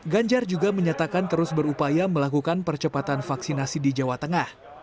ganjar juga menyatakan terus berupaya melakukan percepatan vaksinasi di jawa tengah